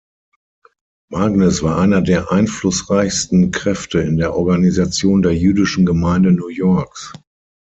Magnes war einer der einflussreichsten Kräfte in der Organisation der Jüdischen Gemeinde New Yorks.